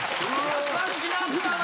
優しなったな。